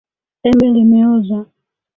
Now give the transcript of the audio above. Embe limeoza